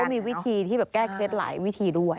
แล้วก็มีวิธีที่แก้เคล็ดหลายวิธีด้วย